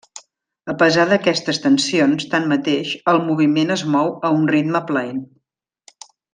A pesar d'aquestes tensions, tanmateix, el moviment es mou a un ritme plaent.